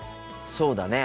そうだね。